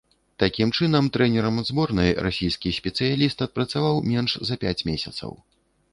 Такім чынам, трэнерам зборнай расійскі спецыяліст адпрацаваў менш за пяць месяцаў.